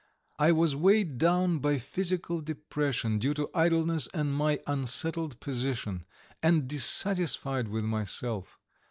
I was weighed down by physical depression due to idleness and my unsettled position, and dissatisfied with myself.